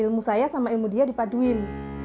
ilmu saya sama ilmu dia dipaduin